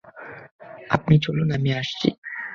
আপনি চলুন, আমি আসছি।